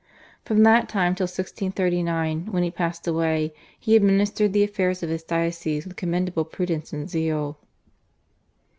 From that time till 1639, when he passed away, he administered the affairs of his diocese with commendable prudence and zeal.